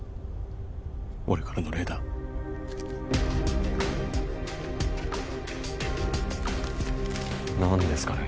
俺からの礼だ何ですかね